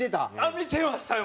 見てましたよ